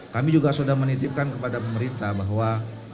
kami juga sudah menitipkan kepada pemerintah bahwa